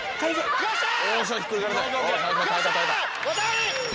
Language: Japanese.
よっしゃー！